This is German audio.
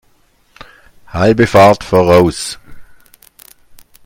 Halbe Fahrt voraus!